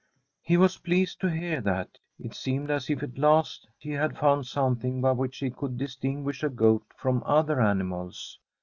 m He was pleased to hear that. It seemed as if at last he had found something by which he could distinguish a goat from other animals.